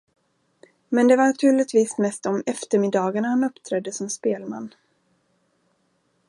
Men det var naturligtvis mest om eftermiddagarna han uppträdde som spelman.